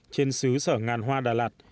trên xứ sở ngàn hoa đà lạt